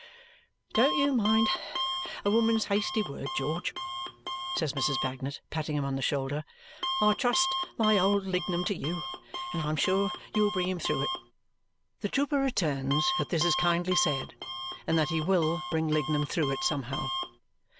"Don't you mind a woman's hasty word, George," says Mrs. Bagnet, patting him on the shoulder. "I trust my old Lignum to you, and I am sure you'll bring him through it." The trooper returns that this is kindly said and that he WILL bring Lignum through it somehow.